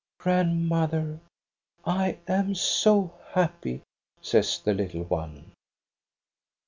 ' Grandmother, I am so happy,' says the little one.